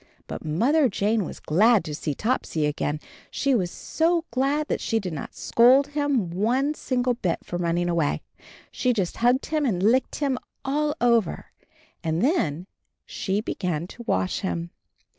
But Mother Jane was glad to see Topsy again — she was so glad that she did not scold him one single bit for running away. She just hugged him and licked him all over — and then, she be gan to wash him.